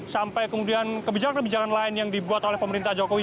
sampai kemudian kebijakan kebijakan lain yang dibuat oleh pemerintah jokowi